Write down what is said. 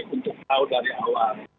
untuk tahu dari awal